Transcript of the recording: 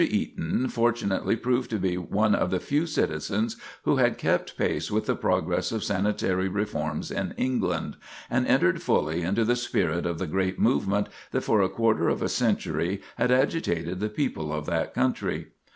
Eaton fortunately proved to be one of the few citizens who had kept pace with the progress of sanitary reforms in England, and entered fully into the spirit of the great movement that for a quarter of a century had agitated the people of that country.